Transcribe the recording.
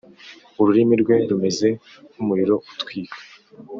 ururimi rwe rumeze nk’umuriro utwika.